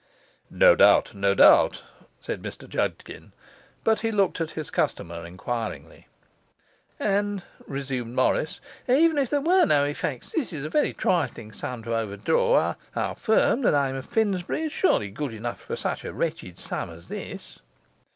'No doubt, no doubt,' said Mr Judkin, but he looked at his customer enquiringly. 'And and ' resumed Morris, 'even if there were no effects this is a very trifling sum to overdraw our firm the name of Finsbury, is surely good enough for such a wretched sum as this.